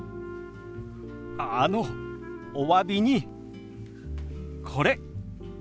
あのおわびにこれ。